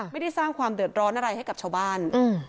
ไม่ได้สร้างความเดือดร้อนอะไรให้กับชาวบ้าน